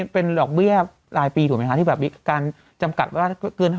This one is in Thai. เป็นดอกเบี้ยที่หมายการจันกัดเกิน